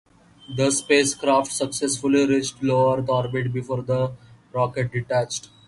The spacecraft successfully reached low Earth orbit before the rocket detached.